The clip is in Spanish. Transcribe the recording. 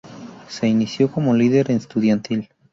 Se inició como líder estudiantil.